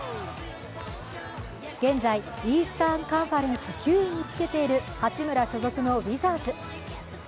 現在、イースタンカンファレンス９位につけている八村所属のウィザーズ。